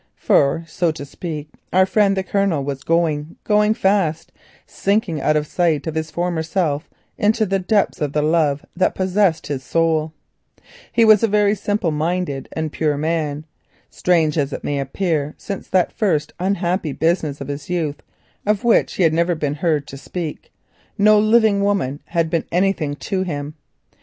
For to speak the truth, our friend the Colonel was going, going fast—sinking out of sight of his former self into the depths of the love that possessed his soul. He was a very simple and pure minded man. Strange as it may appear, since that first unhappy business of his youth, of which he had never been heard to speak, no living woman had been anything to him.